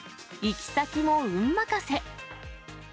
行き先も運任せ。